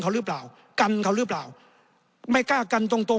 ก็ไอ้คนเวทศาสตร์